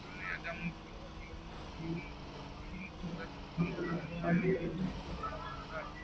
Matone ya damu kwenye kingo za viungo kwa mfano kwenye mfumo wa kusaga